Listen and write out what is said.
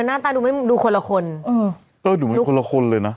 หน้าตาดูไม่เหมือนดูคนละคนเอออือดูเป็นคนละคนเลยน่ะ